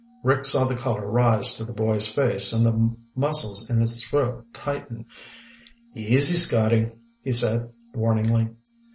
Rick saw the color rise to the boy's face and the muscles in his throat tighten. "Easy, Scotty," he said warningly.